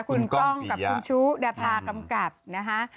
คุณกล้องกับคุณชูดาภากำกับนะคะ